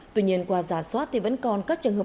tuy nhiên qua giả soát thì vẫn còn các trường hợp